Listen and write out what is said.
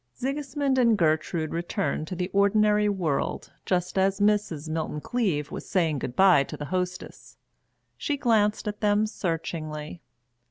Sigismund and Gertrude returned to the ordinary world just as Mrs. Milton Cleave was saying good bye to the hostess. She glanced at them searchingly.